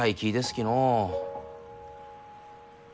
きのう。